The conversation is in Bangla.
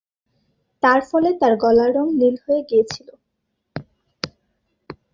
তার ফলে তার গলার রং নীল হয়ে গিয়েছিল।